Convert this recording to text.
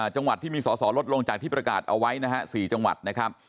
จังหวัดที่มีสอสอลดลงจากที่ประกาศเอาไว้นะฮะ๔จังหวัดนะครับ